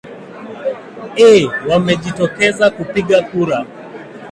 ee wamejitokeza kupiga kura